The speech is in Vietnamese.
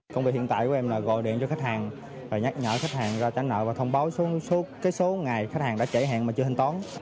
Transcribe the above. công việc hiện tại của em là gọi điện cho khách hàng nhắc nhở khách hàng ra tránh nợ và thông báo suốt số ngày khách hàng đã chảy hẹn mà chưa hình tón